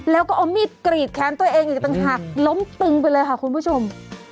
แล้วก็เอามีดกรีดแขนตัวเองอีกต่างหากล้มตึงไปเลยค่ะคุณผู้ชม